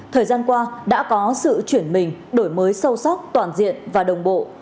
thời gian qua đã có sự chuyển mình đổi mới sâu sắc toàn diện và đồng bộ